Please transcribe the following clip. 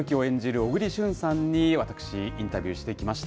小栗旬さんに私、インタビューしてきました。